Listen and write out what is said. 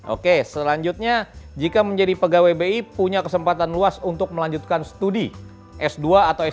oke selanjutnya jika menjadi pegawai bi punya kesempatan luas untuk melanjutkan studi s dua atau s dua